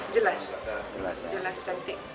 jelas jelas cantik